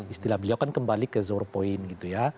istilah beliau kan kembali ke zore point gitu ya